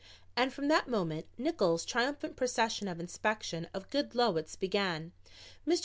And from that moment Nickols' triumphant procession of inspection of Goodloets began. Mr.